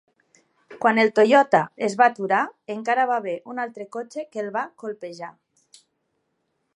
Quan el Toyota es va aturar, encara va haver un altre cotxe que el va colpejar.